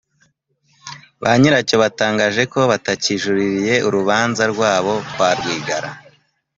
banyiracyo batangaje ko batakijuririye urubanza rw’ abo kwa Rwigara